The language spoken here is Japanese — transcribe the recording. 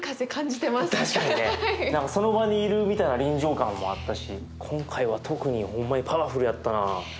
何かその場にいるみたいな臨場感もあったし今回は特にほんまにパワフルやったな。